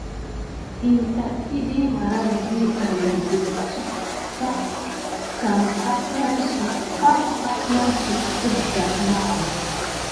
In tat əɗiy marava vi an nəgəsuk pake. Kame aplan suw əzlaɓe nawa.